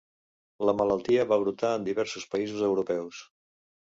La malaltia va brotar en diversos països europeus.